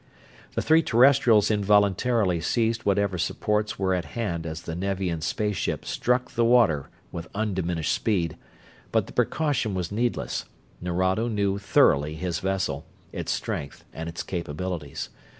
The three Terrestrials involuntarily seized whatever supports were at hand as the Nevian space ship struck the water with undiminished speed, but the precaution was needless Nerado knew thoroughly his vessel, its strength and its capabilities.